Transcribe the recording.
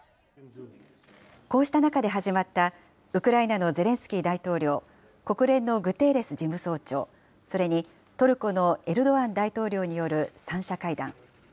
こうした中で始まったウクライナのゼレンスキー大統領、国連のグテーレス事務総長、それにトルコのエルドアン大統領による三者会談。